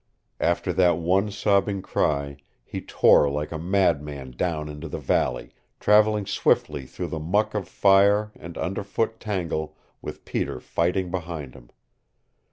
After that one sobbing cry he tore like a madman dawn into the valley, traveling swiftly through the muck of fire and under foot tangle with Peter fighting behind him.